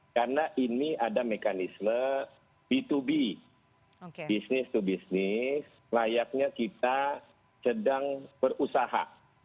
karena ini ada mekanisme b dua b business to business layaknya kita sedang berusaha